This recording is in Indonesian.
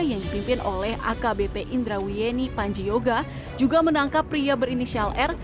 yang dipimpin oleh akbp indra wieni panjioga juga menangkap pria berinisial r